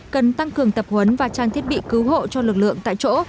cần tăng cường tập huấn và trang thiết bị cứu hộ cho lực lượng tại chỗ